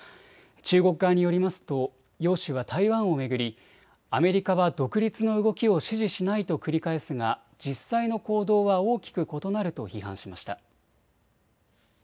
中国側によりますと楊氏は台湾を巡りアメリカは独立の動きを支持しないと繰り返すが実際の行動は大きく異なると批判しました。